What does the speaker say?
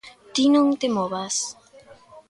Ti non te movas.